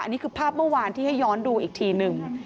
นี่คือภาพเมื่อวานที่ให้ย้อนดูอีกทีหนึ่ง